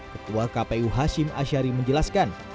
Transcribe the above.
ketua kpu hashim ashari menjelaskan